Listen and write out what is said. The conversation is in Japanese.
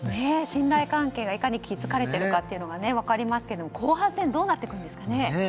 信頼関係がいかに築かれているかが分かりますが後半戦どうなっていくんですかね。